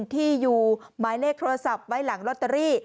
ที่อยู่หมายเลขโทรศัพท์ไว้หลังลอตเตอรี่